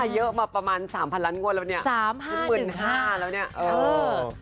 ๓๕๑๕เยอะมาประมาณ๓๐๐๐ล้านกว่าแล้วเนี่ย๓๕๑๕แล้วเนี่ยเออ